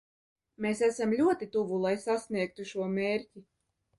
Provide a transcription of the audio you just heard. Mēs esam ļoti tuvu, lai sasniegtu šo mērķi.